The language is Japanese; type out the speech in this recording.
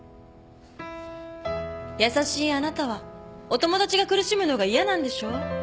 優しいあなたはお友達が苦しむのが嫌なんでしょ？